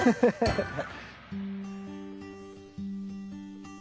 ハハハッ。